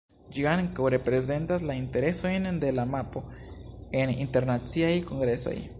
Ĝi ankaŭ reprezentas la interesojn de la papo en internaciaj kongresoj.